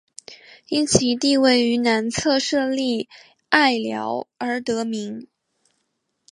因其地位于南侧设立隘寮而得名。